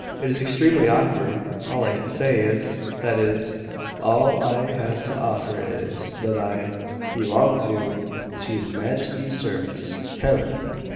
It is extremely awkward all I can say is that is, all I have to offer is, that I belong to to his Majesty's service, hem!